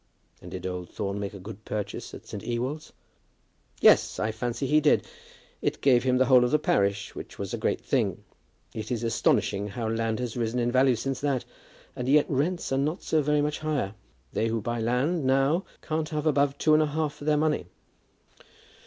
"And did old Thorne make a good purchase at St. Ewold's?" "Yes, I fancy he did. It gave him the whole of the parish, which was a great thing. It is astonishing how land has risen in value since that, and yet rents are not so very much higher. They who buy land now can't have above two and a half for their money."